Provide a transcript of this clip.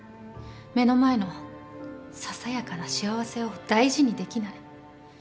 目の前のささやかな幸せを大事にできない。